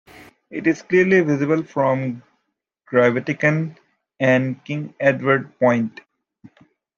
It is clearly visible from Grytviken and King Edward Point.